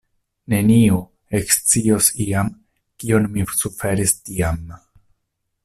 Neniu ekscios iam kion mi suferis tiam.